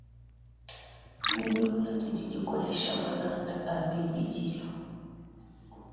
Diunzulula didi dikolesha malanda a bibidilu.